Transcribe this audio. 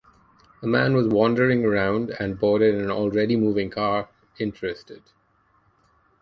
A man was wandering around and boarded an already moving car, interested.